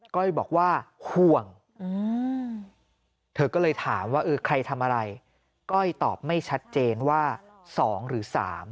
ก้อยบอกว่าห่วงเธอก็เลยถามว่าเออใครทำอะไรก้อยตอบไม่ชัดเจนว่า๒หรือ๓